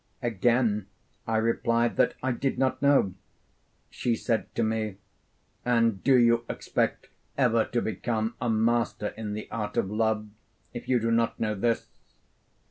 Again I replied that I did not know. She said to me: 'And do you expect ever to become a master in the art of love, if you do not know this?'